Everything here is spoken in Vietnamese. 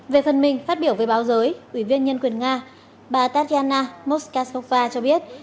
về phần mình phát biểu về báo giới ủy viên nhân quyền nga bà tatyana moskaskova cho biết